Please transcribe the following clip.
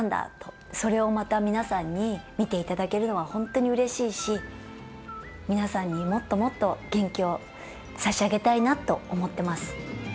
それをまた皆さんに見ていただけるのは本当にうれしいし皆さんにもっともっと元気を差し上げたいなと思ってます。